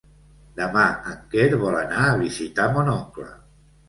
Demà en Quer vol anar a visitar mon oncle.